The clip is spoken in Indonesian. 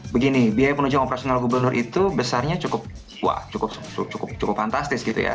begini biaya penunjang operasional gubernur itu besarnya cukup fantastis gitu ya